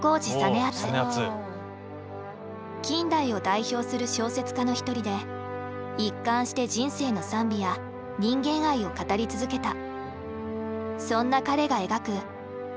近代を代表する小説家の一人で一貫して人生の賛美や人間愛を語り続けた。